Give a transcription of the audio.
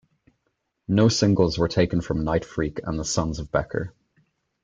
No singles were taken from "Nightfreak and the Sons of Becker".